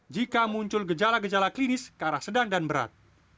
jika muncul gejala gejala klinis ke arah sedang dan berat